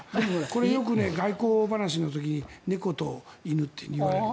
これよく外交話の時に猫と犬っていわれる。